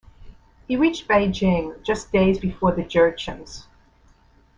He reached Beijing just days before the Jurchens.